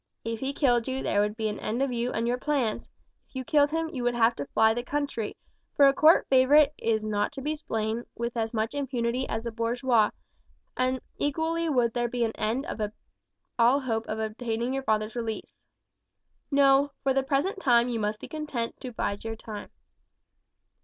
If he killed you there would be an end of you and your plans; if you killed him you would have to fly the country, for a court favourite is not to be slain with as much impunity as a bourgeois, and equally would there be an end of all hope of obtaining your father's release. "No, for the present you must be content to bide your time.